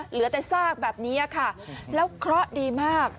เหลือแต่ซากแบบนี้ค่ะแล้วเคราะห์ดีมาก